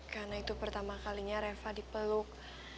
karena itu pertama kalinya reva dipeluk